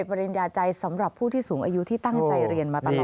ปริญญาใจสำหรับผู้ที่สูงอายุที่ตั้งใจเรียนมาตลอด